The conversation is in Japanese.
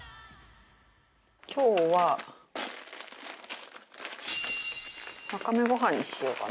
今日はわかめご飯にしようかな。